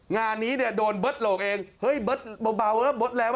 งานนี้เนี่ยโดนเบิร์ตโหลกเองเฮ้ยเบิร์ตเบาเบิร์ตแล้ว